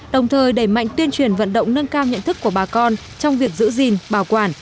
đồng thời đẩy mạnh tuyên truyền vận động nâng cao nhận thức của bà con trong việc giữ gìn bảo quản